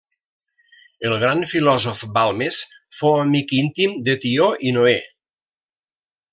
El gran filòsof Balmes fou amic íntim de Tió i Noé.